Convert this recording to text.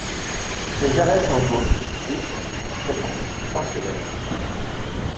Ses jarrets s'engourdirent, et, tout à coup, chancelèrent.